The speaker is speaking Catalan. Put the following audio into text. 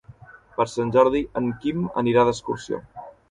Per Sant Jordi en Quim anirà d'excursió.